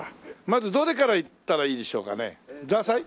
まずどれからいったらいいでしょうかね？